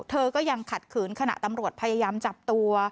เธอก็ยังขัดขืนขณะตำรวจพยายามจับตัว